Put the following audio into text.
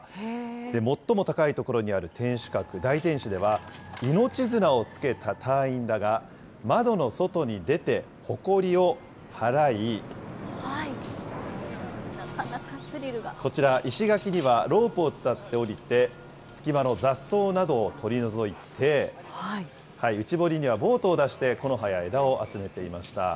最も高い所にある天守閣、大天守では命綱をつけた隊員らが窓の外に出て、ほこりを払い、こちら、石垣にはロープを伝って降りて、隙間の雑草などを取り除いて、内堀にはボートを出してこの葉や枝を集めていました。